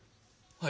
はい？